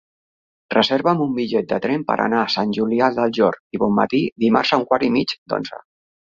Reserva'm un bitllet de tren per anar a Sant Julià del Llor i Bonmatí dimarts a un quart i mig d'onze.